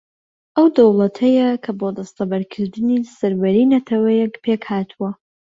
ئەو دەوڵەتەیە کە بۆ دەستەبەرکردنی سەروەریی نەتەوەیەک پێک ھاتووە